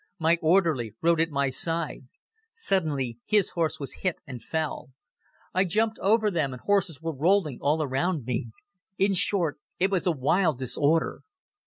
My orderly rode at my side. Suddenly his horse was hit and fell. I jumped over them and horses were rolling all around me. In short, it was a wild disorder.